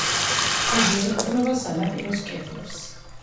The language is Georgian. ხიდი ეყრდნობა სანაპიროს კედლებს.